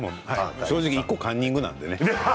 正直１個カンニングなのでね。